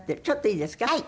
ちょっといいですか？